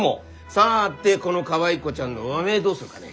さてこのかわい子ちゃんの和名どうするかね？